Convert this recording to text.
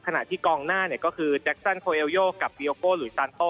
ขณะที่กองหน้าก็คือแจ็คซันโคเอลโยกับดีโอโก้หลุยซานโต้